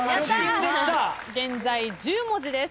現在１０文字です。